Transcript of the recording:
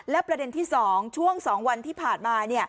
และประเด็นที่๒ช่วง๒วันที่ผ่านมา